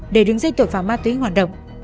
để đứng dây tội phạm ma túy hoạt động